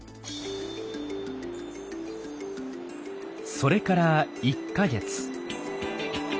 それから１か月。